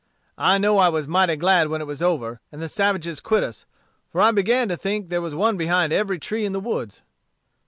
I know I was mighty glad when it was over, and the savages quit us, for I began to think there was one behind every tree in the woods."